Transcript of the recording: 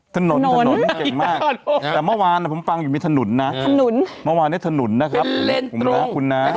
ถนนเก่งมากแต่เมื่อวานผมฟังอยู่มีถนนนะครับมันเลนส์ตรงนะครับผมรักคุณนะ